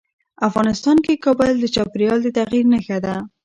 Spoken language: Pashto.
افغانستان کې کابل د چاپېریال د تغیر نښه ده.